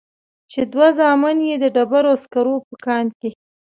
چې دوه زامن يې د ډبرو سکرو په کان کې.